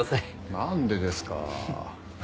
何でですか。